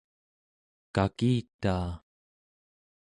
kakitaa